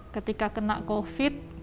ketika kena covid